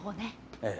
ええ。